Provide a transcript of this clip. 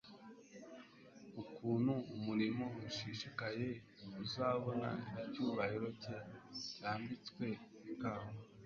ukuntu umurimo ushishikaye uzabona icyubahiro cye cyambitswe ikamba